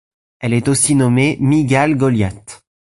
Elle est aussi nommée Mygale Goliath.